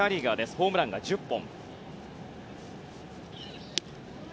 ホームランが１０本。